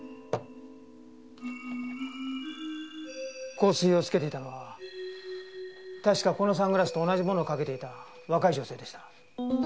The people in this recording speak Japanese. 香水をつけていたのは確かこのサングラスと同じものをかけていた若い女性でした。